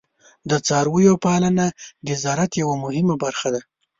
د څارویو پالنه د زراعت یوه مهمه برخه ده.